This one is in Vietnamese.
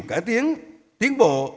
cải tiến tiến bộ